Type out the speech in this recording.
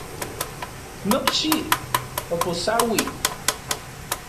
Nokxi oposauik.